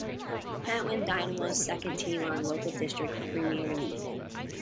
Pentwyn Dynamo's second team are in the local District Premier League.